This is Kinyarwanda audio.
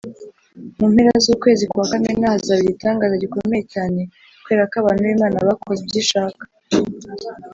mu mpera z ukwezi kwa Kamena hazaba igitangaza gikomeye cyane kubera ko abantu b’ imana bakoze ibyo ishaka